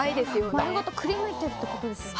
丸ごとくり抜いてるってことですよね。